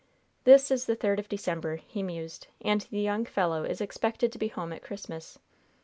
"This is the third of December," he mused, "and the young fellow is expected to be home at Christmas.